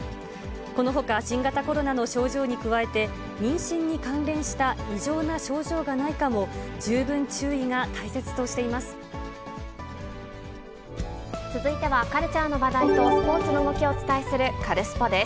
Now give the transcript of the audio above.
このほか、新型コロナの症状に加えて、妊娠に関連した異常な症状がないかも、十分注意が大切としていま続いてはカルチャーの話題と、スポーツの動きをお伝えする、カルスポっ！です。